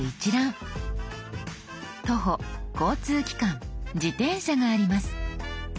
「徒歩」「交通機関」「自転車」があります。